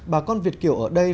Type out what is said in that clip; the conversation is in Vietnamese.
bà con việt kiều ở đây